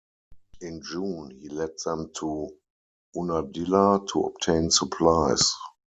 In June, he led them to Unadilla to obtain supplies.